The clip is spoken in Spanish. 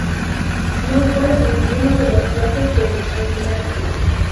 No fue en ninguno de los viajes del Almirante.